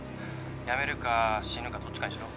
辞めるか死ぬかどっちかにしろ。